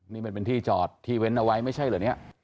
นี่มันเป็นที่จอดที่เว้นเอาไว้ไม่ใช่เหรอเนี่ย